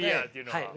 はい。